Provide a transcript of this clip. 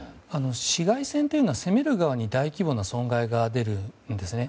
市街戦というのは攻める側に大規模な損害が出るんですね。